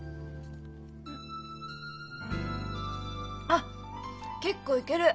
あっ結構いける！